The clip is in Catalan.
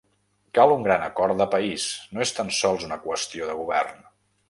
Cal un gran acord de país, no és tan sols una qüestió de govern.